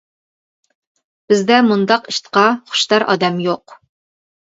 بىزدە مۇنداق ئىتقا خۇشتار ئادەم يوق.